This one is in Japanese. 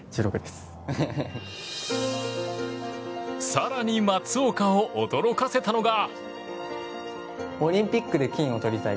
更に松岡を驚かせたのが。